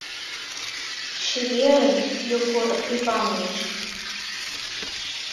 Чеверын, Йогор Иваныч.